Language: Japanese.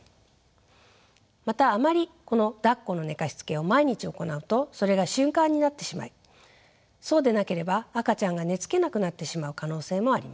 またあまりこのだっこの寝かしつけを毎日行うとそれが習慣になってしまいそうでなければ赤ちゃんが寝つけなくなってしまう可能性もあります。